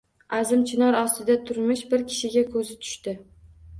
Azim chinor ostida turmish bir kishiga ko‘zi tushdi.